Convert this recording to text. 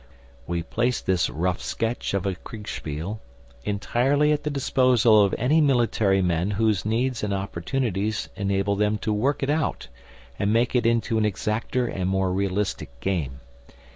We place this rough sketch of a Kriegspiel entirely at the disposal of any military men whose needs and opportunities enable them to work it out and make it into an exacter and more realistic game.